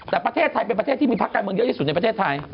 แต่ประเทศไทยเป็นประเทศที่มีพักการเมืองเยอะที่สุดในประเทศไทย